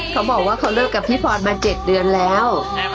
เขาบอกว่าเขาเลิกกับพี่พรมา๗เดือนแล้ว